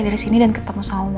dari sini dan ketemu sama mama papa